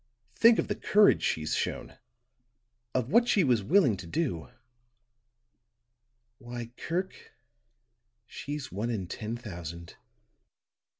Think of the courage she's shown of what she was willing to do. Why, Kirk, she's one in ten thousand."